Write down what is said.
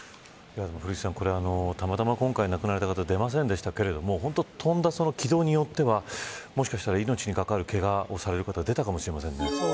古市さん、たまたま今回亡くなられた方は出ませんでしたけれども飛んだ軌道によってはもしかしたら命に関わるけがをした方が出たかもしれませんね。